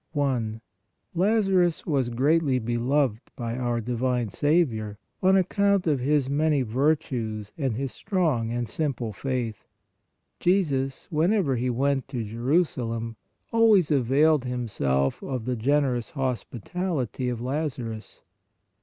I. Lazarus was greatly beloved by our divine RESURRECTION OF LAZARUS 107 Saviour on account of his many virtues and his strong and simple faith. Jesus, whenever He went to Jerusalem always availed Himself of the gen erous hospitality of Lazarus.